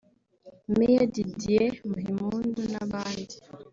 Major Didier Muhimpundu n’abandi